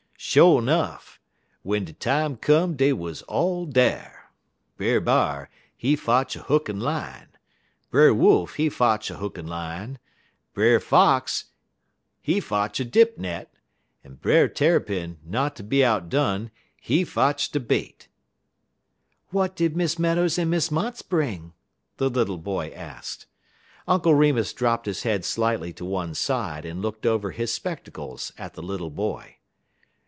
"Sho' nuff, w'en de time come dey wuz all dar. Brer B'ar, he fotch a hook en line; Brer Wolf, he fotch a hook en line; Brer Fox, he fotch a dip net, en Brer Tarrypin, not ter be outdone, he fotch de bait." "What did Miss Meadows and Miss Motts bring?" the little boy asked. Uncle Remus dropped his head slightly to one side, and looked over his spectacles at the little boy.